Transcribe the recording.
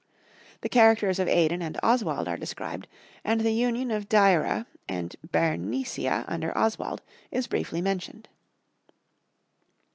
The characters of Aidan and Oswald are described; and the union of Deira and Bernicia under Oswald is briefly mentioned.